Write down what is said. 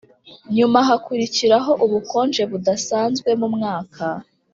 nyuma hakurikiraho ubukonje budasanzwe mu mwaka